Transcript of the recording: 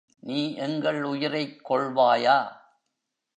நீ எங்கள் உயிரைக் கொள்வாயா!